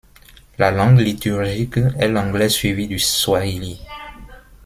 La langue liturgique est l'anglais suivi du swahili.